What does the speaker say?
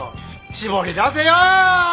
絞り出せよ！